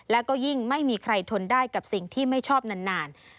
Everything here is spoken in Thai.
แล้วก็ยิ่งไม่มีใครทนได้กับสิ่งที่ไม่ชอบนาน